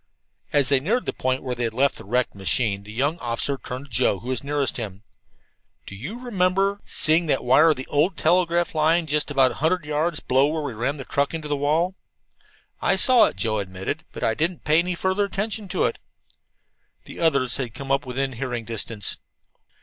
As they neared the point where they had left the wrecked machine the young officer turned to Joe, who was nearest to him. "Do you remember," he asked, "seeing that wire of the old telegraph line just about a hundred yards below where we ran the truck into the wall?" "I saw it," Joe admitted, "but I didn't pay any further attention to it." The others had come up within hearing distance.